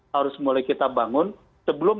harus mulai kita bangun sebelum